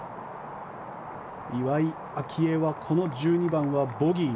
岩井明愛はこの１２番はボギー。